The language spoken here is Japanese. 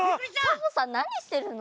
サボさんなにしてるの？